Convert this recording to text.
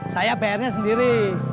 saya bayarnya sendiri